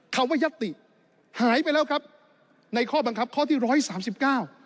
คำว่ายัตติหายไปแล้วครับในข้อบังคับข้อที่ร้อยสามสิบเก้า